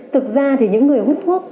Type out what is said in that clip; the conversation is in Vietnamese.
thực ra thì những người hút thuốc